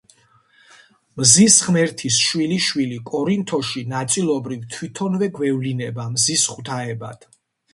მზის ღმერთის შვილიშვილი კორინთოში ნაწილობრივ თვითონვე გვევლინება მზის ღვთაებად.